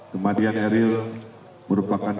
kemanian eril merupakan